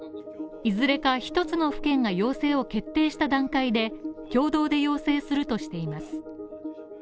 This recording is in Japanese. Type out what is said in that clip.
いずれか一つの府県が要請を決定した段階で共同で要請するとしています。